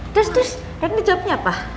terus terus ren dijawabnya apa